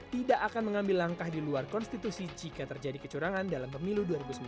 tidak akan mengambil langkah di luar konstitusi jika terjadi kecurangan dalam pemilu dua ribu sembilan belas